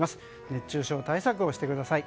熱中症対策をしてください。